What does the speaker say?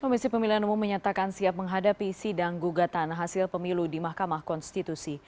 komisi pemilihan umum menyatakan siap menghadapi sidang gugatan hasil pemilu di mahkamah konstitusi